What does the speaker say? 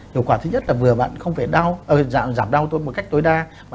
hiệu quả thứ nhất là vừa bạn không phải đau giảm đau tôi một cách tối đa